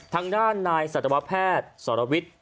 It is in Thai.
ทางด้านนายสัตวแพทย์สรวิทย์